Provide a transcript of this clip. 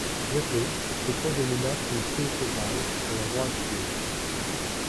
Bientôt, ces cours déménagent rue Sécheval, à l’endroit actuel.